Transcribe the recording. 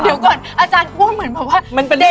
อเรนนี่อาจารย์ว่าเหมือนคิดว่า